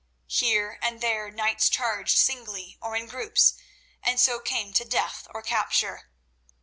Here and there knights charged singly or in groups, and so came to death or capture.